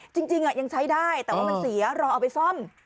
จริงยังใช้ได้แต่ว่ามันเสียรอเอาไปซ่อม